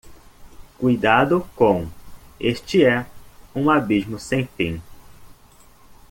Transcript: Cuidado com? este é um abismo sem fim!